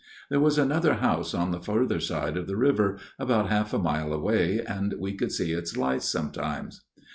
There was another house on the further side of the river, about half a mile away, and we could see its lights sometimes.